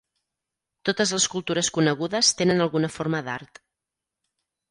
Totes les cultures conegudes tenen alguna forma d'art.